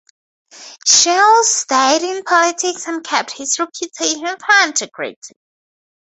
Shiels stayed in politics and kept his reputation for integrity.